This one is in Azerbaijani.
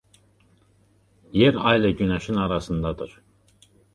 Yer Ayla Günəşin arasındadır.